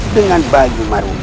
dengan baju mar tryg